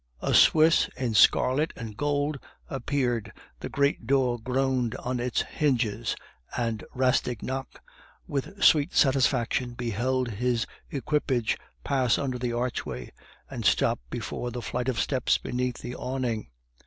A Swiss, in scarlet and gold, appeared, the great door groaned on its hinges, and Rastignac, with sweet satisfaction, beheld his equipage pass under the archway and stop before the flight of steps beneath the awning.